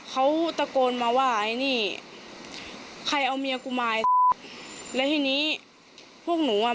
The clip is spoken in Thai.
เขามาได้ไหมเมื่อคืน